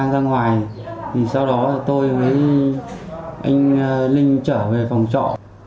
tôi với anh linh trở về phòng trọ